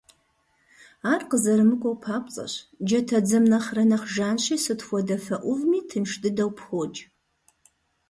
Ар къызэрымыкӀуэу папцӀэщ, джатэдзэм нэхърэ нэхъ жанщи, сыт хуэдэ фэ Ӏувми тынш дыдэу пхокӀ.